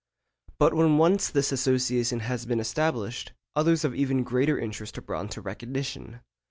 But when once this association has been established, others of even greater interest are brought into recognition.